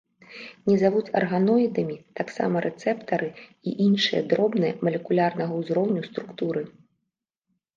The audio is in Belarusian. Не завуць арганоідамі таксама рэцэптары і іншыя дробныя, малекулярнага ўзроўню, структуры.